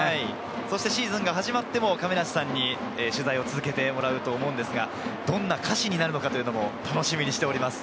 シーズンが始まっても亀梨さんに取材を続けてもらいますが、どんな歌詞になるのか楽しみにしています。